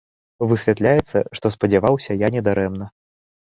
Высвятляецца, што спадзяваўся я не дарэмна.